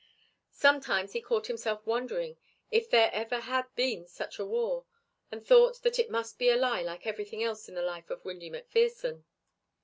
Sometimes he caught himself wondering if there ever had been such a war and thought that it must be a lie like everything else in the life of Windy McPherson.